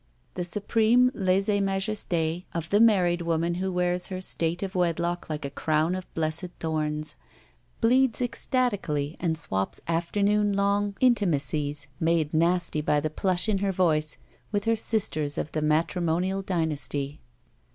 The supreme Use majesty of the married woman who wears her state of wedlock like a crown of blessed thorns; bleeds ecstatically and swaps after noon long intimacies, made nasty by the plush in her voice, with her sisters of the matrimonial djmasty.